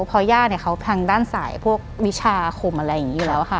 เพราะย่าเนี่ยเขาทางด้านสายพวกวิชาคมอะไรอย่างนี้อยู่แล้วค่ะ